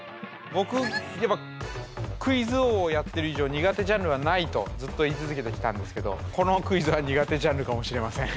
僕やっぱクイズ王をやってる以上苦手ジャンルはないとずっと言い続けてきたんですけどこのクイズは苦手ジャンルかもしれません。